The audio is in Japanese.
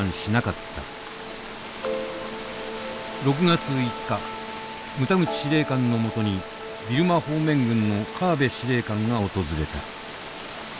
６月５日牟田口司令官のもとにビルマ方面軍の河辺司令官が訪れた。